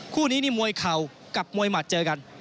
คู่นี้นี่มวยเข่ากับมวยหมัดเจอกัน